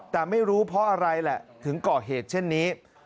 แต่ไม่รู้เพราะอะไรแหละถึงก่อเหตุเช่นนี้